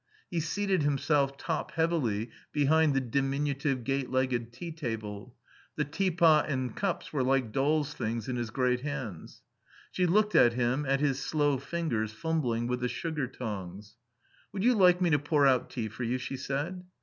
He seated himself top heavily behind the diminutive gate legged tea table; the teapot and cups were like dolls' things in his great hands. She looked at him, at his slow fingers fumbling with the sugar tongs. "Would you like me to pour out tea for you?" she said.